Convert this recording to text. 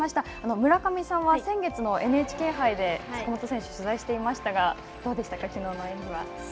村上さんは先月のＮＨＫ杯で坂本選手、取材していましたが、どうでしたか、きのうの演技は。